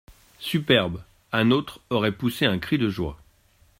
Superbe ! un autre aurait poussé un cri de joie…